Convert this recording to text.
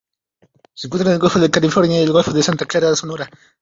Se encuentra en el Golfo de California y Golfo de Santa Clara Sonora.